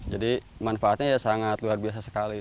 jadi manfaatnya ya sangat luar biasa sekali